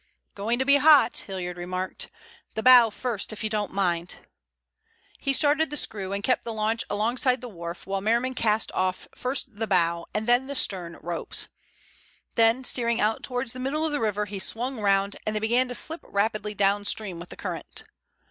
"Going to be hot," Hilliard remarked. "The bow first, if you don't mind." He started the screw, and kept the launch alongside the wharf while Merriman cast off first the bow and then the stern ropes. Then, steering out towards the middle of the river, he swung round and they began to slip rapidly downstream with the current.